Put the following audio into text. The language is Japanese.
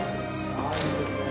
あっいいですね。